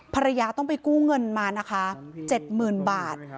ภรรยาต้องไปกู้เงินมานะคะ๗๐๐๐บาท